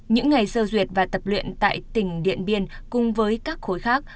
những ngày sơ duyệt và tập luyện tại tỉnh điện biên cùng với các khối khác